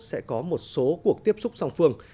sẽ có một số cuộc tiếp xúc song phương